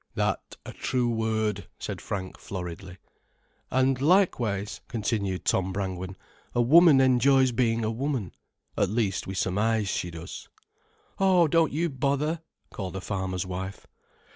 "That a true word," said Frank, floridly. "And likewise," continued Tom Brangwen, "a woman enjoys being a woman: at least we surmise she does——" "Oh, don't you bother——" called a farmer's wife.